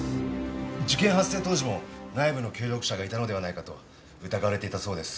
事件発生当時も内部の協力者がいたのではないかと疑われていたそうです。